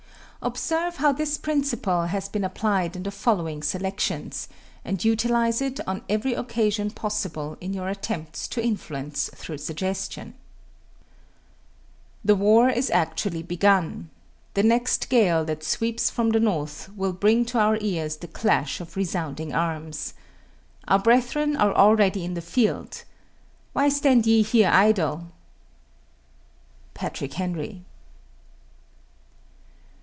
Observe how this principle has been applied in the following selections, and utilize it on every occasion possible in your attempts to influence through suggestion: The war is actually begun. The next gale that sweeps from the North will bring to our ears the clash of resounding arms. Our brethren are already in the field. Why stand ye here idle? PATRICK HENRY.